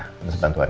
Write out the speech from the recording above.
terima kasih bantuan